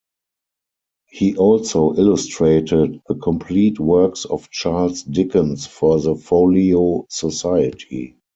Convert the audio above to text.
He also illustrated the complete works of Charles Dickens for the Folio Society.